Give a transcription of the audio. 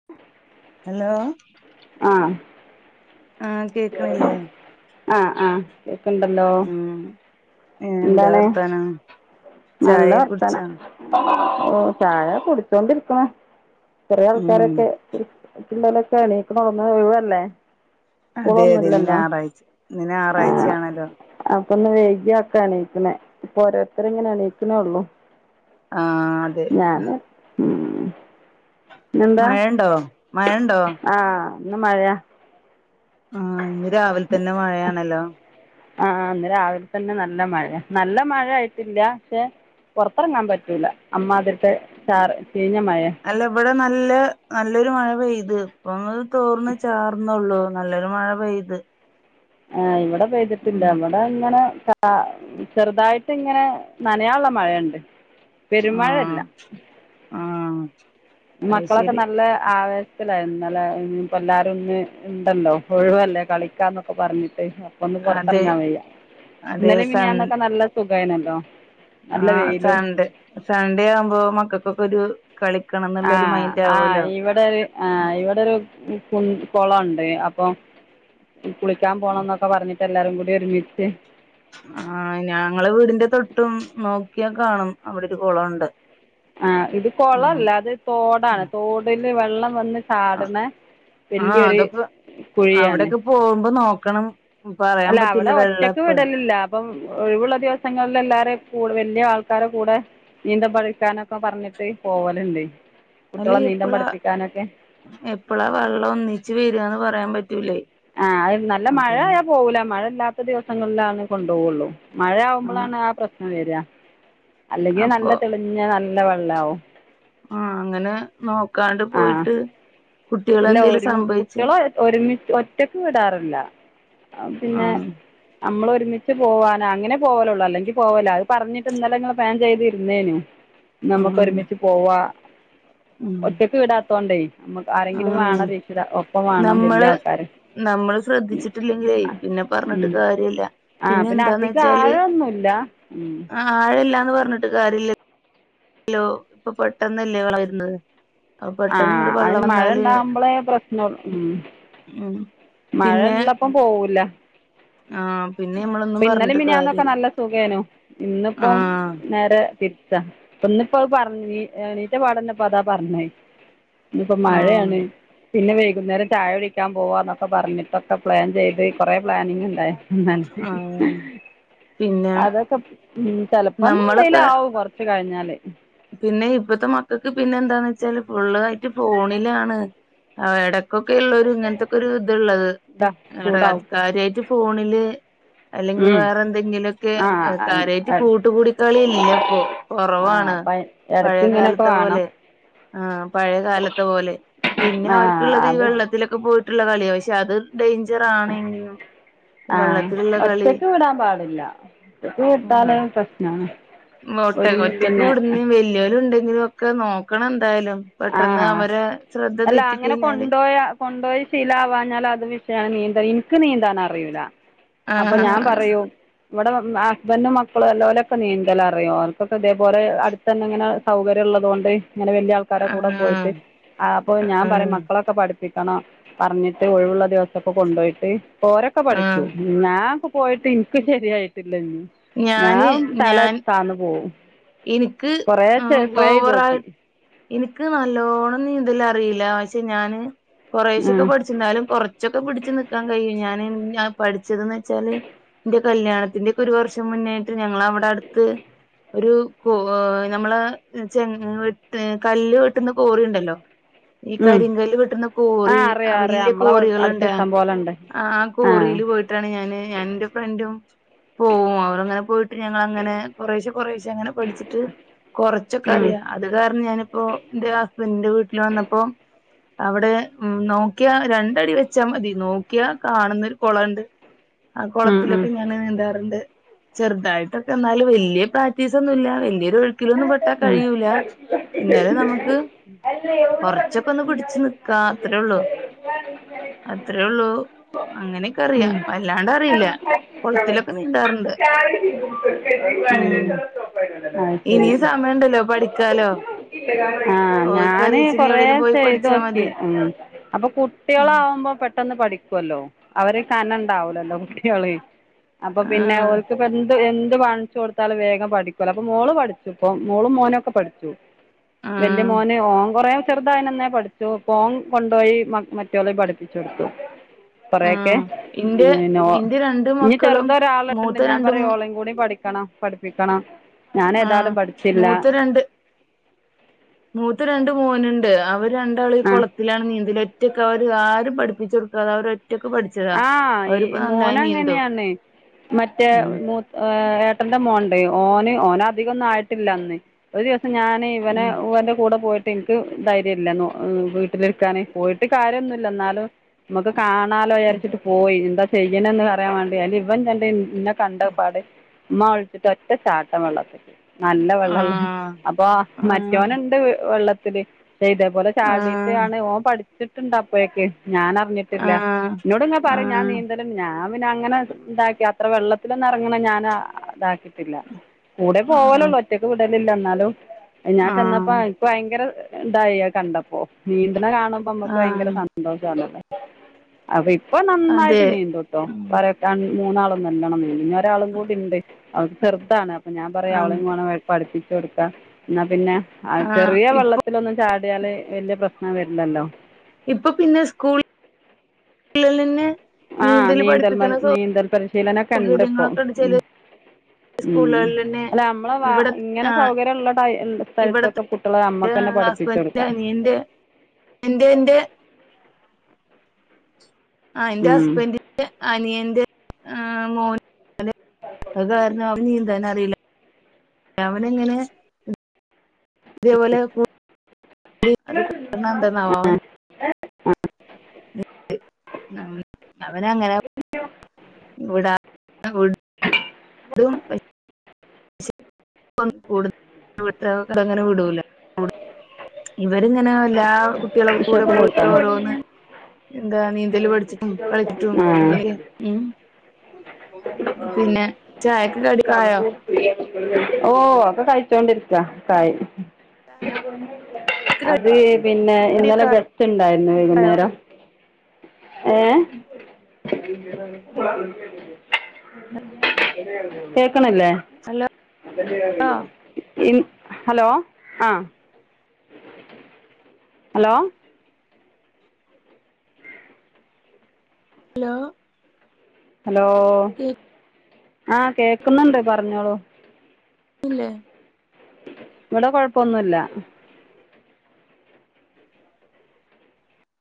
[inaudible] Hello ആഹ് ആഹ് കേക്കണില്ലേ ആഹ് ആഹ് കേക്ക്ണ്ടല്ലോ ഉം എന്താ എന്താണ് വർത്താനം ചായെക്ക കുടിച്ചോ ഓഹ് ചായ കുടിച്ചോണ്ടിരിക്കണ് ചെറിയ ഉം ആൾക്കാരൊക്കെ പിള്ളലൊക്കെണീക്കണ ഒന്നായൊഴിവല്ലേ അതെ അതെ ഇന്ന് ഞാറാഴ്ച ഇന്ന് ആഹ് ഞാറാഴ്ചയാണല്ലോ അപ്പൊ ഒന്ന് വൈഗിയാക്കെണീയിക്കണേ ഇപ്പൊ ഓരോത്തര് ഇങ്ങനെ എണീയിക്കണേ ഉള്ളു ആഹ് അതെ [unintelligible] ഉം പിന്നെന്താ മഴണ്ടോ മഴണ്ടോ ആഹ് ന്ന് മഴാ ആഹ് ഇന്ന് രാവിൽത്തെന്നെ മഴെയാണല്ലോ ആഹ് ഇന്ന് രാവിൽത്തന്നെ നല്ല മഴ നല്ല മഴായ്ട്ടില്ല ക്ഷെ പൊർത്തെർങ്ങാം പറ്റൂല അമ്മാതിര്ത്തെ ചാറ് ചീഞ്ഞ മയേ അല്ല വടെ നല്ലെ നല്ലൊരു മഴ പെയ്ത് ഇപ്പൊന്ന് തോർന്ന് ചാർണാെള്ളു നല്ലൊര് മഴ പെയ്ത് ആഹ് ഇവ്ടെ പെയ്തിട്ടില്ല ഉം ഇവടെങ്ങെനെ ച ആഹ് ചെർതായിട്ട്ങ്ങെനെ നനയാള്ള മഴണ്ട് പെരും ആഹ് മഴല്ല ആഹ് അത് മക്കളൊക്കെ ശരി നല്ലെ ആവേ ശത്തിലാ ഇന്നലെ ഇ [unintelligible] പ്പോ എല്ലാരും ന്ന് ഇണ്ടല്ലോ ഒഴുവല്ലേ കളിക്കാന്നൊക്കെ പർഞ്ഞിട്ട് അപ്പാെന്ന് അതെ പൊർത്തെർങ്ങാൻ വെയ്യ അതെ ഇന്നലിം സൺ മിനിയാന്നൊക്കെ നല്ല സുഖായ്നല്ലോ ആഹ് സാൺഡ് സാൺഡേ ആവുമ്പോ മക്കക്കൊക്കാെരു കളിക്കണം എന്നുള്ളൊരു ആഹ് മൈൻഡ് ആവുമല്ലോ ആഹ് ഇവിടൊര് ആഹ് ഇവിടൊര് കു കോളൊണ്ട് അപ്പം കുളിക്ക്യാൻ പോണംന്നാെക്ക പർഞ്ഞിട്ട് എല്ലാരും കൂടി ഒരുമിച്ച് ആഹ് ഞങ്ങളെ വീടിന്റെ തൊട്ടും നോക്ക്യാ കാണും അവിടാെര് കൊളോണ്ട് ആഹ് ഇത് കൊളല്ലാ ഇത് ഉം തോടാണ് തോട്ല് വെള്ളം വന്ന് ചാട്ണെ ആഹ് അതൊക്കെ കുഴ്യാണ് പോവുമ്പം നോക്കണം പറയാൻ അല്ല അവിടെ പറ്റൂല വെള്ളം ഒറ്റക്ക് എപ്പഴാ വിടൽല്ല പ്പം ഒഴിവ്ള്ള ദിവസങ്ങളിലെല്ലാരെയും കൂ വല്യെ ആൾക്കാരെ കൂടെ നീന്തം പഠിക്കാനൊക്കെ പർഞ്ഞിട്ട് പോവല്ണ്ട് അല്ലേ എപ്പെളാ എപ്പെളാ വെള്ളം ഒന്നിച്ച് വെരാന്ന് പറയാൻ പറ്റൂലേ ആഹ് അത് നല്ല അപ്പൊ മഴായ പോവൂല മഴ ഇല്ലാത്ത ദിവസങ്ങൾലാണ് കൊണ്ടാേവാെള്ളു ആഹ് മഴെയാവുമ്പളാണ് ആ പ്രശ്നം വര്വ അല്ലെങ്കി അപ്പൊ നല്ല തെളിഞ്ഞ നല്ല വെള്ളാവും ആഹ് അങ്ങെനെ നോക്കാണ്ട് ആഹ് പോയിട്ട് കുട്ടികളെന്തേലും സംഭവിച്ച ഒരുമിച് ഒറ്റെക്ക് വിടാറില്ല അഹ് പിന്നെ ആഹ് ഞമ്മള് ഒരുമിച്ച് പോവാനാ അങ്ങെനെ പോവെലാെള്ളൂ അല്ലെങ്കി പോവല്ലാ അത് പർഞ്ഞിട്ട് ഇന്നലെ ങ്ങള് പ്ലാൻ ചെയ്ത്‌ര്ന്നേനി [inaudible] നമ്ക്ക് ഒര്മിച്ച് പോവാ ഉം ഒറ്റെക്ക് വിടാത്തോണ്ടേ നമ്ക് ആരെങ്കി ആഹ് വാണം രക്ഷിത ഒപ്പം വാണം വെല്ല്യെ നമ്മള് ആൾക്കാര് നമ്മള് ശ്രെദ്ധിച്ചിട്ടില്ലെങ്കിലേ പിന്നെ പർഞ്ഞിട്ട് കാര്യല്ല ആഹ് പിന്നെ അധികാഴെന്നൂല്ലാ ഉം ആഹ് ആഴല്ലാന്ന് പർഞ്ഞിട്ട് കാര്യല്ല ലോ ഇപ്പൊ പെട്ടെന്നെല്ലേ വളവര്ന്നത് ആഹ് അയ്ന് മഴണ്ടാവുമ്പളേ പ്രശ്നൊൾ ഉം ഉം മഴ പിന്നെ ഉള്ളപ്പം പോവില്ല ആഹ് പിന്നെ നമ്മളൊന്നും ഇപ്പം ഇന്നെലിം പറഞ്ഞിട്ട് മിനിയാന്നൊക്കെ കാര്യല്ല നല്ല സുഖേനു ഇന്ന്പ്പം ആഹ് നേരെ തിര് ച്ചാ പ്പം ഇന്ന്പ്പോ അത് പർഞ്ഞ് നി എണീറ്റ പാടന്നെപ്പതാ പർഞ്ഞേ ന്ന് പ്പം ആഹ് മഴയാണ് പിന്നെ വെയ്കുന്നേരം ചായ കുടിക്ക്യാൻ പോവാന്നൊക്കെ പറഞ്ഞിട്ടൊക്കെ പ്ലാൻ ചെയ്ത് കൊറേ പ്ലാനിങ് ഇണ്ടായ് ആഹ് പിന്നെ അതൊക്കെ ഉം ചെലപ്പഞ്ഞ് നമ്മളൊക്കെ വെയ്ലാവും കൊറ്ച്ച് കഴിഞ്ഞാല് പിന്നെ ഇപ്പത്തെ മക്കക്ക് പിന്നെന്താന്ന് വെച്ചാല് ഫുള്ളായിട്ട് ഫോണിലാണ് അവടെ ക്കൊക്കേള്ളാെരു ഇങ്ങൻത്തൊക്കാെരു ത്ള്ളത് [unintelligible] ടെ ചൂടാവും കാര്യായ്ട്ട് ഫോണില് അല്ലെങ്കി ഉം വേറെ എന്തെങ്കിലൊക്കെ ആഹ് അയിന് കാര്യായിട്ട് എട് കൂട്ടുകൂടിക്കളി ഇല്ലപ്പൊ കൊറവാണ് എടെക്ക് പഴയ ഇങ്ങനൊക്കെ കാലത്തെ വാണം പോലെ ആഹ് പഴേകാലത്തെ പോലെ പിന്നെ ആഹ് അവര്ക്ക്ള്ളത് ഈ അത് വെള്ളത്തിലൊക്കെ പോയിട്ട്ള്ള കള്യാ പക്ഷെ അത് ഡെയിഞ്ചറാണെങ്കിലും ആഹ് ഒറ്റക്ക് വിടാം പാടില്ല ഒറ്റക്ക് വിട്ടാലഹ് പ്രശ്നാണ് ങ്ങോട്ട് ഒരുമി ഒറ്റക്ക് പിന്നെ വ്ടെന്നേം വെല്ല്യോല്ണ്ടെങ്കിലും ഒക്കെ നോക്കണെന്തായാലും പെട്ടെന്ന് ആഹ് അവരെ അല്ല ശ്രദ്ധതെറ്റി അങ്ങനെ കഴിഞ്ഞാല് കൊണ്ടോയ കൊണ്ടോയി ശീലാവാഞ്ഞാലത് വിഷയാ നീന്ത ഇൻക്ക് നീന്താനറിയൂല അപ്പം ഞാ ആഹ് പറയും ഇവടെ വന്നാ ഹസ്ബൻഡും മക്കളും എല്ലാ ഓലൊക്കെ നീന്തലറിയും ഓൽക്കൊക്കെ ഇതേപോലെ അട്ത്ത് ന്നെ ഇങ്ങനെ സൗകര്യള്ളതുകൊണ്ട് ഇങ്ങനെ വല്ല്യ ആൾക്കാരെ കൂടെ ആഹ് പോയിട്ട് അപ്പോ ഞാൻ പറയും ആഹ് മക്കളെ ക്കെ പഠിപ്പിക്കണം പർഞ്ഞിട്ട് ഒഴിവ്ള്ള ദിവസൊക്കെ കൊണ്ടോയിട്ട് പ്പം ഓരൊക്കെ പഠിച്ചു ആഹ് ഞാംപ്പ പോയിട്ട് ഇൻക്ക് ശെരിയായിട്ടില്ലെഞ്ഞും ഞാന് ഞാം തല ഞാൻ താന്ന് പോവും എനിക്ക് കൊറേ ട്രൈയ്തോക്കി ഇൻക്ക് നല്ലോണം നീന്തലറീല പക്ഷെ ഞാന് കുറേശൊക്കെ ഉം പഠിച്ച് ന്നാലും കൊറ് ച്ചൊക്കെ പിടിച്ചു നിക്കാം കഴിയും ഞാന് ഞ പഠിച്ചത് ന്ന് വെച്ചാല് ഇന്റെ കല്ല്യാണത്തിന്റെക്കെ ഒരു വർഷം മുന്നായിട്ട് ഞങ്ങളവ്ടെട്ത്ത് ഒരു കോ ഏഹ് നമ്മളെ ചെ വെട്ട് കല്ല് വെട്ടുന്ന കോറിയുണ്ടല്ലോ? [inaudible] ഈ ഉം കരിങ്കല്ല് വെട്ടുന്ന കോറി ആഹ് അറിയാം അറിയാം വല്ല്യ നമ്മളെ അടുത്ത് കോറികളുണ്ട് ഇഷ്ടം പോലെ ഉണ്ട് ആ ആഹ് കോറീല് പോയിട്ട് ട്ടാണ് ഞാന് ഞാനുന്റെ ഫ്രണ്ടും പോവും അവടെങ്ങനെ പോയിട്ട് ഞങ്ങളങ്ങനെ കൊറേശെ കൊറേശെ ച്ചെ അങ്ങനെ പഠിച്ചിട്ട് ഉം കൊറച്ചൊക്കറിയാ അത് കാരണം ഞാനിപ്പൊ ഇന്റെ ഹസ്ബൻഡിന്റെ വീട്ടില് വന്നപ്പോ അവിടെ ഉം നോക്കിയാ രണ്ടടി വെച്ചാമതി നോക്കിയാ കാണുന്ന ഒര് കൊളണ്ട് ആ ഉം ഉം കൊളത്തിലൊക്കെ ഞാന് നീന്താറ്ണ്ട് ചെറുതായിട്ടൊക്കെന്നാലും വല്ല്യ പീസൊന്നൂല്ല വല്ല്യൊരു ഒഴുക്കിലൊന്നും പെട്ടാ ഉം കഴിയൂല്ല ഇന്നലും നമക്ക് അല്ല എവിടെ കണ്ടിട്ട് കൊറച്ചൊക്കൊന്ന് പിടച്ച് തിന്നാൻ നിക്കാ അത്രേയൊള്ളു പറ്റും അത്രേയൊള്ളു അങ്ങനെക്കറിയാ ഉം. അത് വല്ലാണ്ടറീല ശരി കൊളത്തിലൊക്കെ നീന്താറ്ണ്ട് ഉം ഇനിയും സമയണ്ടല്ലോ പഠിക്കാലോ? ആഹ് ഓര്ക്ക് ഞാന് അറിയിച്ചെങ്കി കൊറേ എവിടെലും പോയി പഠിച്ചാ ചെയ്തോക്കി മതി ഉം അപ്പൊ കുട്ട ഉം കുട്ട്യളാവുമ്പോ പെട്ടെന്ന് പഠിക്കൊ ല്ലോ അവര് കനെണ്ടാവൂലല്ലോ കുട്ട്യള് അപ്പൊ പിന്നെ ആഹ് ഓൽക്ക് ഇപ്പെന്ത് എന്ത് വാങ്ങിച്ചു കൊടുത്താലും വേഗം പഠിക്കൊല്ലോ അപ്പൊ മോള് പഠിച്ചുപ്പം മോളും മോനൊക്കെ പഠിച്ചു വല്ല്യ ആഹ് മോന് ഓം കൊറേ ചെറുതായിനന്നെ പഠിച്ചു ഇപ്പോൻ കൊണ്ടോയി മറ്റോളിം പഠിപ്പിച്ചൊടുത്തു കൊറേക്കെ ആഹ് ഇന്റെ ഇന്റെ രണ്ട് ഇഞ് മക്കളും ചെറുതൊരാള്ണ്ട് മൂത്ത ഞാ രണ്ടും പറിം ഓളിം കൂടി പഠിക്ക ണം പഠിപ്പിക്കണം ഞാൻ ആ ഏതായാലും പഠിച്ചില്ല മൂത്ത രണ്ട് മൂത്ത രണ്ട് മോന്ണ്ട് അവര് രണ്ടാളി ആ കൊള ത്തിലാണ് നീന്തല് ഒറ്റൊക്കെ അവര് ആരും പഠിപ്പിച്ചൊടുക്കാതെ അവരൊറ്റക്ക് പഠിച്ച ആഹ് ഈ മോനങ്ങനെയാണെ മറ്റെ ഉം മൂത്ത ഏ ഏട്ടന്റെ മോണ്ട് ഓന് ഓനധികൊന്നും ആയിട്ടില്ലന്ന് ഒരു ദിവസം ഞാന് ഇവന ഉം ഇവന്റെ കൂടെ പോയി ട്ട് ഇൻക്ക് ധൈര്യല്ല വീട്ടില്ര്ക്കാന് പോയിട്ട് കാര്യന്നുല്ല ഇന്നാലും മ്മക്ക് കാണാലോ വിചാരിച്ചിട്ട് പോയി എന്താ ചെയ്യ്ണെന്ന് അറിയാം വേണ്ടി അയില് ഇവൻണ്ട് ഇന്നെ ക ണ്ടപ്പാട് ഇമ്മാ വിള്ച്ച്ട്ട് ഒറ്റ ചാട്ടം വള്ളത്ത്ക്ക് നല്ല വെള്ളള്ള ആഹ് അപ്പൊ ആഹ് മറ്റോന്ണ്ട് വെള്ളത്തില് ചെയ്ത പോലെ ആഹ് ചാടിയിട്ടാണ് ഓൻ പഠിച്ചിട്ട്ണ്ട് അപ്പഴേക്കെ ഞാനറിഞ്ഞിട്ട് ആഹാ ഇന്നോട്ങ്ങെ പറിം ഞാ നീന്ത ല്ണ്ട് ഞാ പിന്നെ അങ്ങനെതാക്കി അത്ര വെള്ളത്തിലൊന്നെറങ്ങ്ണെ ഞാനും ഇതാക്കി ട്ടില്ല കൂടെ ആഹ് പോവലൊള്ളൂ ഒറ്റക്ക് വിടലില്ല ഇന്നാലും ഞാൻ ചെന്നപ്പോ ആഹ് ഇൻക്ക് ഭയങ്കര ഇണ്ടായി അഹ് കണ്ടപ്പോ നീന്ത്ന കാണുമ്പോ മ്മക്ക് ഭയങ്കര ആഹ് സന്തോഷണല്ലോ. അപ്പ ഇപ്പൊ നന്നായിട്ട് അതെ നീന്ത്ട്ടോ ഉം പറ്യ ര മൂന്നാളും നല്ലോണം നീന്തും. ഞ ഒരാളും കൂടി ണ്ട് അവക്ക് ചെർതാണ് അപ്പ ഞാൻ പറയാ അവളെ ആഹ് മാണം പഠിപ്പിച്ചൊട്ക്കാ. എന്നാ പിന്നെ ആഹ് ചെറിയ വെള്ളത്തിലൊന്നും ചാടിയാല് വല്യ പ്രശ്നം വരില്ലല്ലോ. ഇപ്പ പിന്നെ സ്കൂൾ ള് നിന്ന് ആഹ് നീന്തൽ മ നീന്തൽ പരിശീലനൊക്കെ ണ്ട് ഇപ്പൊ സൗകര്യങ്ങളൊക്കെ ഉണ്ട് ഉം. ചെല ഉം സ്കൂളുകളിലന്നെ അല്ല നമ്മള് വ ഇവിടെ ഇങ്ങനെ ആഹ് സൗകര്യള്ള ട്ടയ് എന്ത ഇവിടത്തെ സ്ഥലത്തൊക്കെ കു ട്ട്യളെ അമ്മക്കന്നെ പഠിപ്പിച്ചൊട്ക്കാ. എന്തേ എന്തേ ആഹ് എന്റെ ഉം ഹസ്ബൻഡ് ൻ്റെ അനിയന്റെ ഹേ മോൻ എന്തേ അത് കാര്ണം അവന് നീന്താനറിയില്ല അവനങ്ങനെ ഉം അതേപോലെ [unintelligible] അത് കാണാന്തന്നവോ [unintelligible] [unintelligible] അവന അങ്ങനെ [unintelligible] വ്ടാ [unintelligible] [inaudible] [unintelligible] [unintelligible] അങ്ങനെ വിടൂല വ്ട് ഇവര്ങ്ങനെ എല്ലാ കുട്ട്യളെ കൂടെ വിശപ്പ് പോയിട്ട കൊടുത്താ ഓരോന്ന് എന്താ നീന്തല് പഠിച്ചിട്ടും കളിച്ചിട്ടും ആഹ് അങ്ങനെ ക്കെ ഉം പിന്നെ ചായക്ക് കടിക്കായോ? ഓഹ് ഒക്കെ കഴിച്ചോണ്ടിരിക്ക കായ് ചായ് അത് പിന്നെ ഇന്നലെ കടിയൊക്കെ ആയോ? ഗത്ത് ണ്ടായിരുന്നു വൈകുന്നേരം. ഏഹ് കേക്ക്ണില്ലേ? ഹലോ ഇൻ ഹലോ ആഹ് അ ഹലോ? ഹലോ? ഹലോ കേക്കുന്നില്ലേ ആഹ് കേക്ക്ന്നുണ്ട് പർഞ്ഞോളൂ. ഇല്ലേ ഇവടെ കൊഴപ്പൊന്നുല്ല.